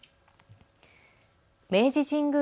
明治神宮